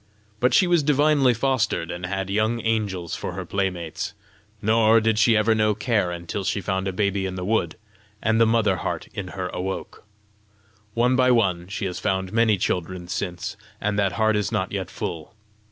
But she was divinely fostered, and had young angels for her playmates; nor did she ever know care until she found a baby in the wood, and the mother heart in her awoke. One by one she has found many children since, and that heart is not yet full.